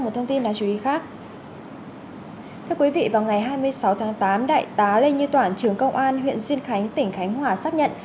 thưa quý vị vào ngày hai mươi sáu tháng tám đại tá lê như toản trưởng công an huyện diên khánh tỉnh khánh hòa xác nhận